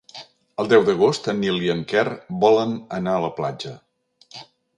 El deu d'agost en Nil i en Quer volen anar a la platja.